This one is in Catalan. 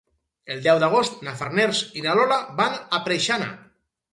El deu d'agost na Farners i na Lola van a Preixana.